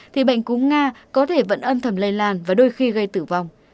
thì bệnh cúng nga có thể vẫn âm thầm lây lan và đôi khi gây tử vong